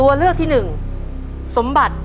ขอเชิญแม่จำรูนขึ้นมาต่อชีวิต